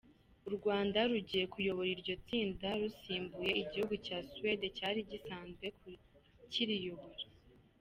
U Rwanda rugiye kuyobora iryo tsinda rusimbuye igihugu cya Suwedi cyari gisanzwe kiriyobora.